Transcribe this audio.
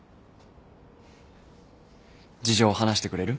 事情話してくれる？